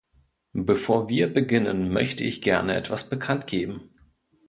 Bevor wir beginnen, möchte ich gerne etwas bekannt geben.